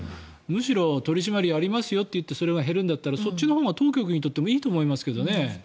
むしろ、取り締まりをやりますよと言ってそれが減るならそっちのほうが当局にとってもいいと思いますけどね。